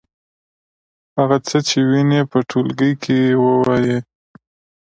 هغه څه چې وینئ په ټولګي کې ووایئ.